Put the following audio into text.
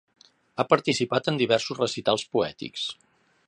Ha participat en diversos recitals poètics.